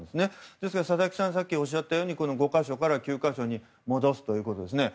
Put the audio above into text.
ですから、佐々木さんがさっきおっしゃったように５か所から９か所に戻すということですね。